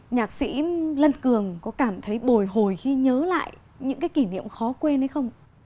nhạc sĩ lân cường có cảm thấy bồi hồi khi nhớ lại những cái kỷ niệm khó quên hay không ạ